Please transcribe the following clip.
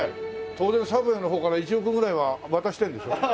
当然サブウェイの方から１億ぐらいは渡してるんでしょ？